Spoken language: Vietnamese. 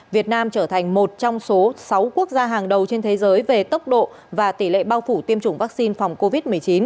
việt nam trở thành một trong số sáu quốc gia hàng đầu trên thế giới về tốc độ và tỷ lệ bao phủ tiêm chủng vaccine phòng covid một mươi chín